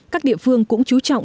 các địa phương cũng chú trọng